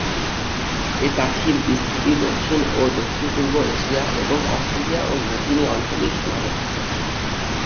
এ পাখির বিস্তৃতি দক্ষিণ ও দক্ষিণ-পূর্ব এশিয়া এবং অস্ট্রেলিয়া ও নিউগিনি অঞ্চলেই সীমাবদ্ধ।